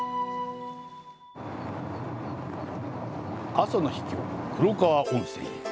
阿蘇の秘境、黒川温泉へ。